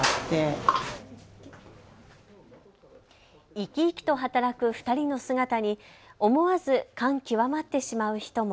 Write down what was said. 生き生きと働く２人の姿に思わず感極まってしまう人も。